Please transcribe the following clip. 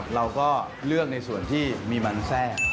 เราก็เลือกในส่วนที่มีมันแทรก